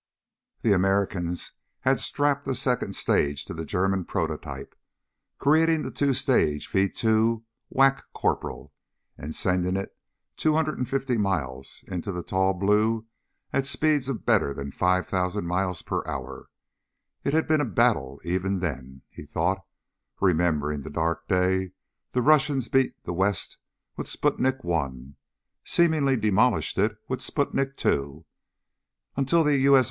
The Americans had strapped a second stage to the German prototype, creating the two stage V 2 Wac Corporal and sending it 250 miles into the tall blue at speeds better than 5,000 miles per hour. It had been a battle even then, he thought, remembering the dark day the Russians beat the West with Sputnik I ... seemingly demolished it with Sputnik II until the U. S.